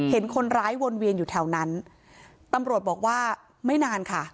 เห็นคนร้ายวนเวียนอยู่แถวนั้นตำรวจบอกว่าไม่นานค่ะ